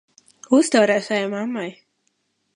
Uztaurē savai mammai!